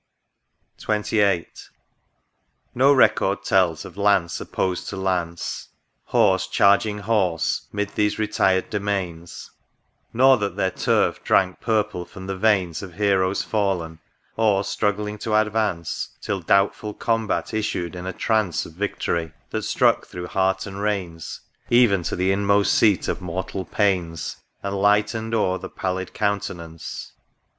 30 THE RIVER DUDDON. XXVIII. No record tells of lance opposed to lance, Horse charging horse mid these retired domains ; Nor that their turf drank purple from the veinj» Of heroes falPn, or struggling to advance, Till doubtful combat issued in a trance Of victory, that struck through heart and reins. Even to the inmost seat of mortal pains, And lightened o'er the pallid countenance.